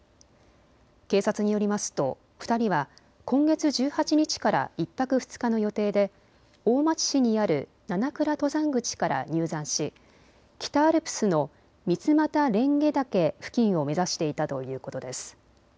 警察によりますと２人は今月１８日から１泊２日の予定で大町市にある七倉登山口から入山し北アルプスの三俣蓮華岳付近を目指していたということです。